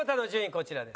こちらです。